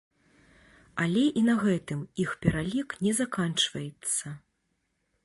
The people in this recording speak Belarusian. Але і на гэтым іх пералік не заканчваецца.